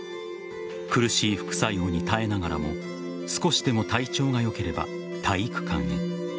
苦しい副作用に耐えながらも少しでも体調がよければ体育館へ。